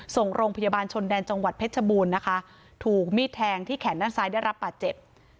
ส่งโรงพยาบาลชนแดนจังหวัดเพชรบูรณ์นะคะถูกมีดแทงที่แขนด้านซ้ายได้รับบาดเจ็บ